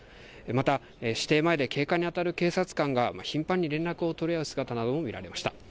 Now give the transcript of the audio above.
また、私邸前で警戒にあたる警察官が頻繁に連絡を取り合う姿なども見られました。